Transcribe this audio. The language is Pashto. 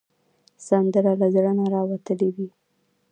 سندره له زړه نه راوتلې وي